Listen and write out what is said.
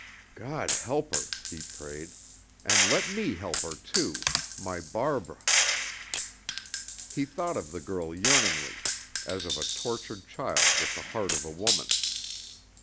"God help her!" he prayed. "And let me help her, too my Barbara!" He thought of the girl yearningly, as of a tortured child with the heart of a woman.